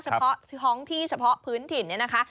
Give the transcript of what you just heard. เฉพาะท้องที่เฉพาะพื้นถิ่นเนี่ยนะคะ